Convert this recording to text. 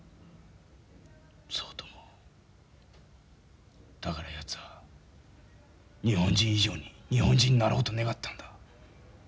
そうともだからやつは日本人以上に日本人になろうと願ったんだ。